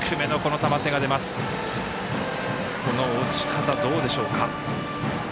落ち方、どうでしょうか。